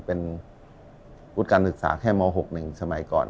เป็นวุฒิการศึกษาแค่ม๖๑สมัยก่อน